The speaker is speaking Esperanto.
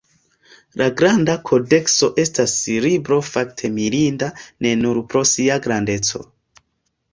La Granda Kodekso estas libro fakte mirinda ne nur pro sia grandeco.